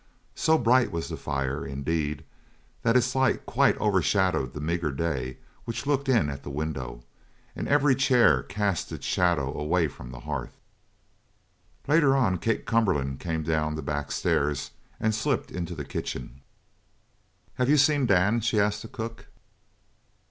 So bright was the fire, indeed, that its light quite over shadowed the meagre day which looked in at the window, and every chair cast its shadow away from the hearth. Later on Kate Cumberland came down the backstairs and slipped into the kitchen. "Have you seen Dan?" she asked of the cook.